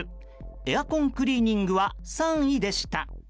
エアコンクリーニングは３位でした。